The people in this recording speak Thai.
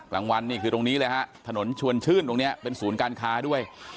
กลางวันนี่คือตรงนี้เลยฮะถนนชวนชื่นตรงนี้เป็นศูนย์การค้าด้วย